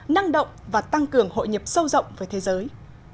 năng động và tăng cường hội nhập sâu rộng với thế giới